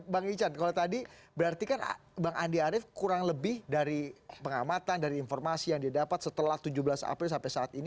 bang ican kalau tadi berarti kan bang andi arief kurang lebih dari pengamatan dari informasi yang dia dapat setelah tujuh belas april sampai saat ini